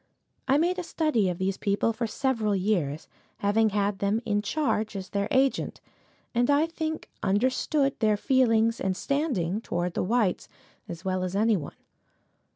I made a study of these people for several years, having had them in charge as their agent, and I think understood their feelings and standing towards the whites as well as any one.